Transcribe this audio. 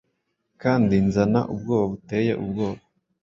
kandi nzana ubwoba buteye ubwoba,